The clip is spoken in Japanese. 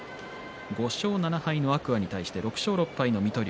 ５勝７敗の天空海に対して６勝６敗の水戸龍。